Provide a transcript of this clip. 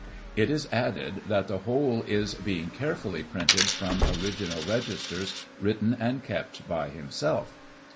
It is added, that ' the whole is being carefully printed from the original registers, written and kept by himself.